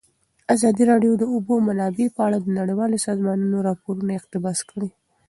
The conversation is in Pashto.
ازادي راډیو د د اوبو منابع په اړه د نړیوالو سازمانونو راپورونه اقتباس کړي.